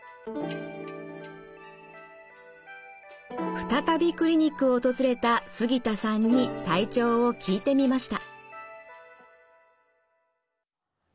再びクリニックを訪れた杉田さんに体調を聞いてみました。